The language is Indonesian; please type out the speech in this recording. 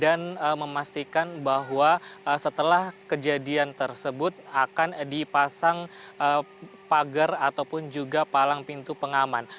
dan memastikan bahwa setelah kejadian tersebut akan dipasang pagar ataupun juga palang pintu pengaman